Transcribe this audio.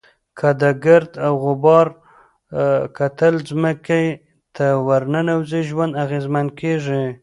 که د ګرد او غبار کتل ځمکې ته ورننوزي، ژوند اغېزمن کېږي.